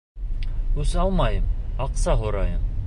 -Үс алмайым, аҡса һорайым.